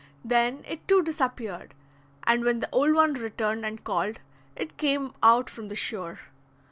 Then it too disappeared, and when the old one returned and called, it came out from the shore.